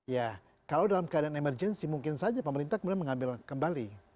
ya kalau dalam keadaan emergensi mungkin saja pemerintah kemudian mengambil kembali